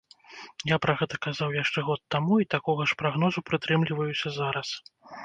Я пра гэта казаў яшчэ год таму, і такога ж прагнозу прытрымліваюся зараз.